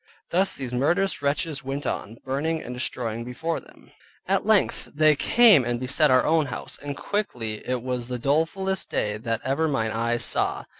Thus these murderous wretches went on, burning, and destroying before them. At length they came and beset our own house, and quickly it was the dolefulest day that ever mine eyes saw.